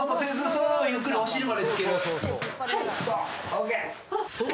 ＯＫ。